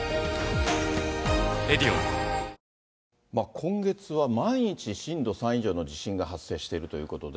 今月は毎日、震度３以上の地震が発生しているということで。